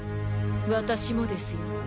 私もですよ。